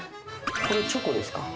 これチョコですか？